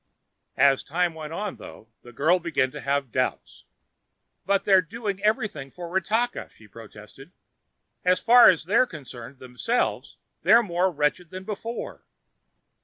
As time went on, though, the girl began to have doubts. "But they're doing everything for Ratakka," she protested. "As far as they're concerned themselves, they're more wretched than before."